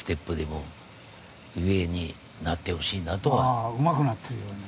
ああうまくなってるように。